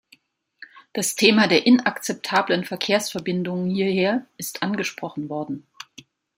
Das Thema der inakzeptablen Verkehrsverbindungen hierher ist angesprochen worden.